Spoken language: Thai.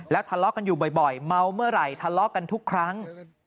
ทะเลาะกันอยู่บ่อยเมาเมื่อไหร่ทะเลาะกันทุกครั้ง